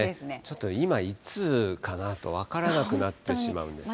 ちょっと今、いつかなと分からなくなってしまうんですが。